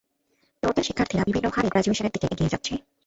ইয়র্কের শিক্ষার্থীরা বিভিন্ন হারে গ্র্যাজুয়েশনের দিকে এগিয়ে যাচ্ছে।